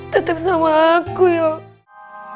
tetap sama aku yoh